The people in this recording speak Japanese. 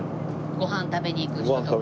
ご飯食べに行く人とか。